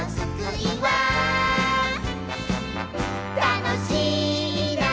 「楽しいな」